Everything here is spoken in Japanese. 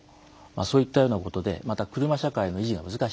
そういったようなことでまた車社会の維持が難しいと。